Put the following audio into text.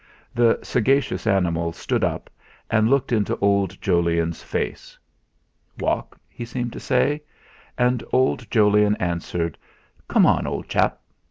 The sagacious animal stood up and looked into old Jolyon's face. 'Walk?' he seemed to say; and old Jolyon answered: "Come on, old chap!"